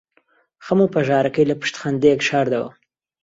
خەم و پەژارەکەی لەپشت خەندەیەک شاردەوە.